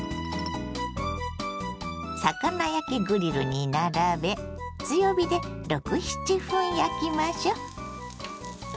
魚焼きグリルに並べ強火で６７分焼きましょ。